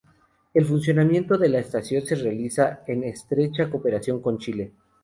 El funcionamiento de la estación se realiza en estrecha cooperación con Chile.